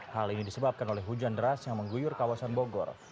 hal ini disebabkan oleh hujan deras yang mengguyur kawasan bogor